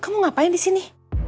kamu ngapain disini